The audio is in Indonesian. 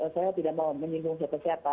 saya tidak mau menyinggung set set pak